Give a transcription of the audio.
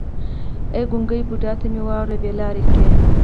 ای ګونګی بوډا تا مې وراره بې لارې کړی.